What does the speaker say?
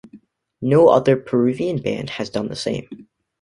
No other Peruvian band has done the same.